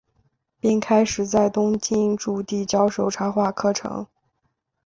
并开始在东京筑地教授插画课程。